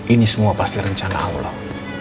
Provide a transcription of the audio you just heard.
ini semua pas di rencana allah